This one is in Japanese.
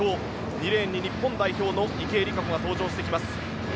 ２レーンに日本代表の池江璃花子が登場してきます。